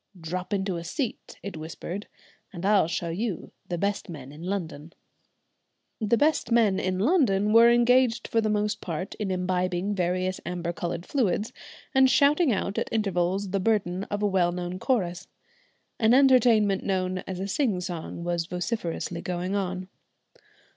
"Drop into a seat," it whispered, "and I'll show you the best men in London." The best men in London were engaged for the most part in imbibing various amber coloured fluids, and shouting out at intervals the burden of a well known chorus. An entertainment known as a "sing song" was vociferously going on.